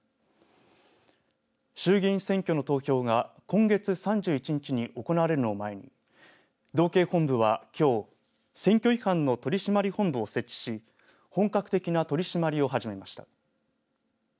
衆議院選挙の投票が今月３１日に行われるのを前に道警本部はきょう選挙違反の取締本部を設置し本格的な取り締まりを始めました。